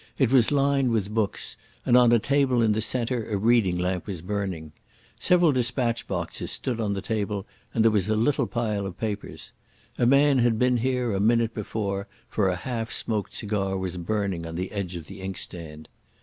It was lined with books, and on a table in the centre a reading lamp was burning. Several dispatch boxes stood on the table, and there was a little pile of papers. A man had been here a minute before, for a half smoked cigar was burning on the edge of the inkstand.